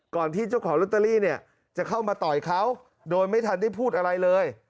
ที่เจ้าของลอตเตอรี่เนี่ยจะเข้ามาต่อยเขาโดยไม่ทันได้พูดอะไรเลย